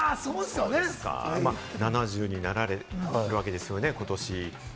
７０歳になられたわけですよね、ことし。